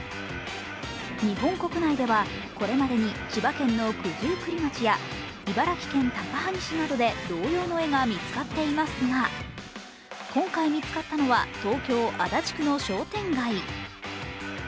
日本国内ではこれまでに千葉県の九十九里町や茨城県高萩市などで同様の絵が見つかっていますが今回見つかったのは東京・足立区の商店街。